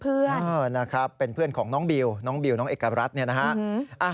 นะครับเป็นเพื่อนของน้องบิวน้องบิวน้องเอกรัฐเนี่ยนะฮะ